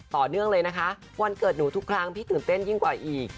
ต่อเนื่องเลยนะคะวันเกิดหนูทุกครั้งพี่ตื่นเต้นยิ่งกว่าอีก